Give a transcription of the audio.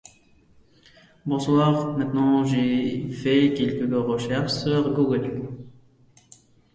The calculus notations below can be used synonymously.